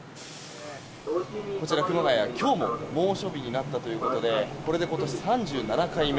熊谷、今日も猛暑日になったということでこれで今年３７回目。